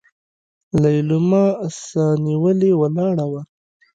ليلما سانيولې ولاړه وه.